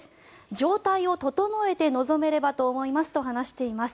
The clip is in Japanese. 状態を整えて臨めればと思いますと話しています。